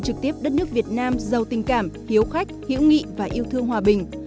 trực tiếp đất nước việt nam giàu tình cảm hiếu khách hiểu nghị và yêu thương hòa bình